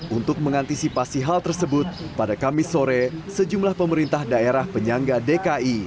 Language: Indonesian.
untuk mengantisipasi hal tersebut pada kamis sore sejumlah pemerintah daerah penyangga dki